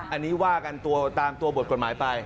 อันนี้ว่ากันตามตัวบทกฎหมายไป